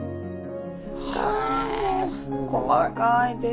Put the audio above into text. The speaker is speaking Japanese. へすごい。